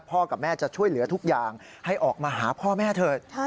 กับแม่จะช่วยเหลือทุกอย่างให้ออกมาหาพ่อแม่เถิด